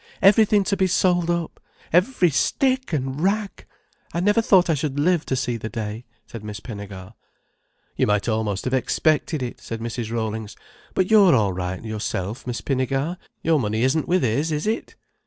Everything to be sold up. Every stick and rag! I never thought I should live to see the day," said Miss Pinnegar. "You might almost have expected it," said Mrs. Rollings. "But you're all right, yourself, Miss Pinnegar. Your money isn't with his, is it?"